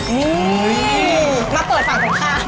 มาเปิดฝั่งส่องข้าง